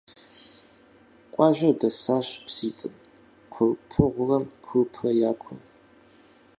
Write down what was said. Къуажэр дэсащ пситӀым – Курпыгъурэ Курпрэ – я кум.